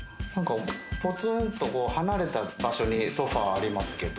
ポツンと離れた場所にソファありますけれども。